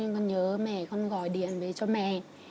con nhớ mẹ con gọi điện về cho mẹ